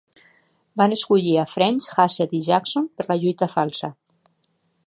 Van escollir a French, Hassett i Jackson per la lluita falsa.